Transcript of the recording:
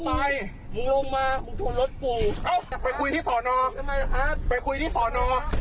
ไปมึงลงมามึงชนรถกูเอ้าไปคุยที่สอนอไปคุยที่สอนอ